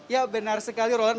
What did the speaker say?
ya benar sekali roland